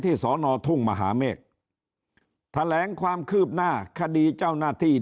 สอนอทุ่งมหาเมฆแถลงความคืบหน้าคดีเจ้าหน้าที่